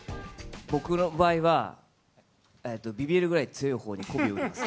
僕の場合は、ビビるぐらい強いほうに媚びを売ります。